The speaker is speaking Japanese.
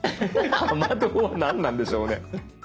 雨どう何なんでしょうね。